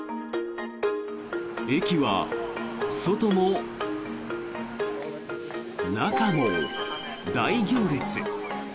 駅は、外も中も大行列。